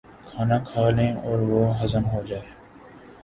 کھانا کھا لیں اور وہ ہضم ہو جائے۔